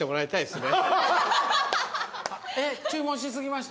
注文し過ぎました？